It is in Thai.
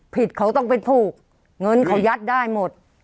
ผิดเขาต้องไปถูกเงินเขายัดได้หมด